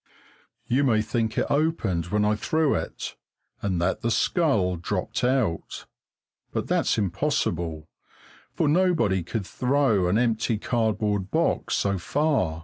You may think it opened when I threw it, and that the skull dropped out; but that's impossible, for nobody could throw an empty cardboard box so far.